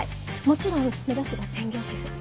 もちろん目指すは専業主婦。